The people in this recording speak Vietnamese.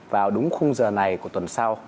vào đúng khung giờ này của tuần sau